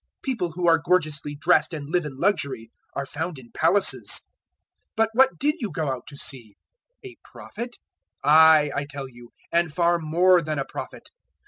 People who are gorgeously dressed and live in luxury are found in palaces. 007:026 But what did you go out to see? A Prophet? Aye, I tell you, and far more than a Prophet.